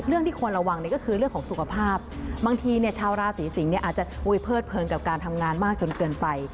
แต่ที่ควรระวังก็คือเรื่องของสุขภาพบางทีชาวราศีสิงฯอาจจะเว้ยเพิศเพลิงกับการทำงานมากจนเกินไป